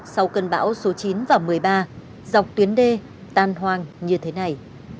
sau cơn bão số chín và một mươi ba dọc tuyến đê tan hoang như thế này